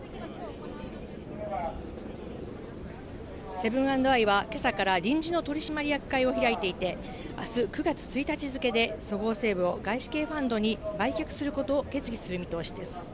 セブン＆アイは、今朝から臨時の取締役会を開いていて、あす９月１日付けでそごう・西武を外資系ファンドに売却することを決議する見通しです。